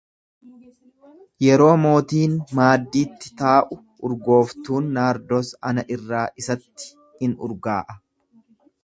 Yeroo mootiin maaddiitti taa'u, urgooftuun naardos ana irraa isatti in urgaa'a;